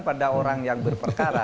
pada orang yang berperkara